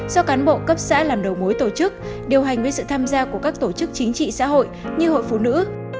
do cán bộ cấp xã làm đầu mối tổ chức điều hành với sự tham gia của các tổ chức chính trị xã hội như hội phụ nữ